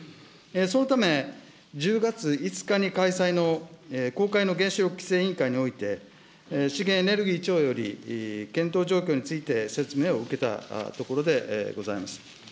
そのため、１０月５日に開催の公開の原子力規制委員会において、資源エネルギー庁より検討状況について説明を受けたところでございます。